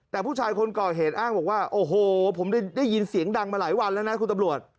แต่ผู้ชายคนก่อเหตุอ้างบอกว่าโอ้โหผมได้ยินเสียงดังมาหลายวันแล้วนะคุณตำรวจ